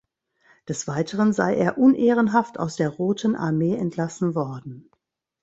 Des Weiteren sei er unehrenhaft aus der Roten Armee entlassen worden.